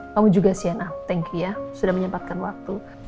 kamu juga cnn thank you ya sudah menyempatkan waktu